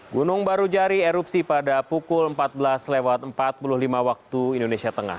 gunung baru jari erupsi pada pukul empat belas empat puluh lima waktu indonesia tengah